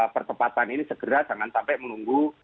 pertepatan ini segera jangan sampai menunggu